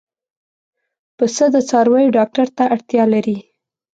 پسه د څارویو ډاکټر ته اړتیا لري.